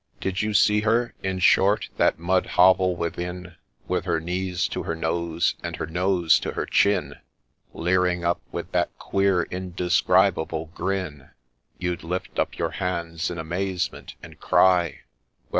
Did you see her, in short, that mud hovel within, With her knees to her nose, and her nose to her chin, Leering up with that queer, indescribable grin, You'd lift up your hands in amazement, and cry, 4 — Well